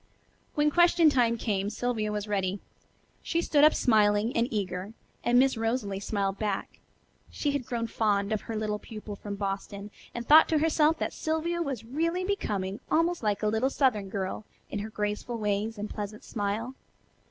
When question time came Sylvia was ready. She stood up smiling and eager, and Miss Rosalie smiled back. She had grown fond of her little pupil from Boston, and thought to herself that Sylvia was really becoming almost like a little southern girl in her graceful ways and pleasant smile.